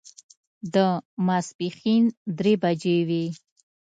د ماسپښین درې بجې وې.